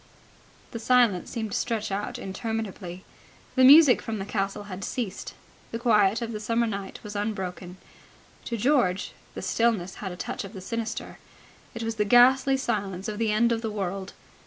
The silence seemed to stretch out interminably. The music from the castle had ceased. The quiet of the summer night was unbroken. To George the stillness had a touch of the sinister. It was the ghastly silence of the end of the world.